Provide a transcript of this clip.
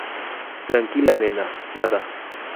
tranquila, nena. nada.